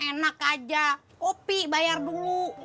enak aja kopi bayar dulu